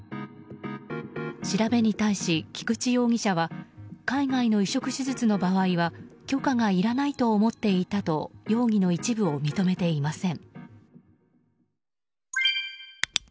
調べに対し菊池容疑者は海外の移植手術の場合は許可がいらないと思っていたと容疑の一部を認めていません。